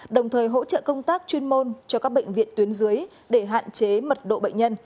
đồng thời hỗ trợ công tác chuyên môn cho các bệnh viện tuyến dưới để hạn chế mật độ bệnh nhân